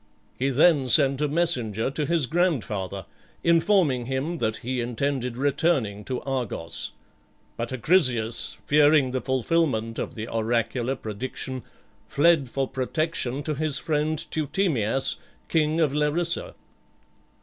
He then sent a messenger to his grandfather, informing him that he intended returning to Argos; but Acrisius, fearing the fulfilment of the oracular prediction, fled for protection to his friend Teutemias, king of Larissa.